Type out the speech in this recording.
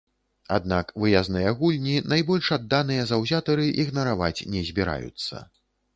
Аднак выязныя гульні найбольш адданыя заўзятары ігнараваць не збіраюцца.